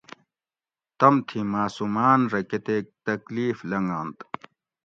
تم تھی معصوماۤن رہ کۤتیک تکلیف لنگنت